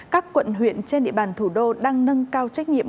các quận huyện trên địa bàn thủ đô đang nâng cao trách nhiệm